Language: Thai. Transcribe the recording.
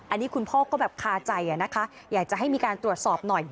อันนี้คุณพ่อก็แบบคาใจนะคะอยากจะให้มีการตรวจสอบหน่อย